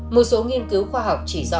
một số nghiên cứu khoa học chỉ rõ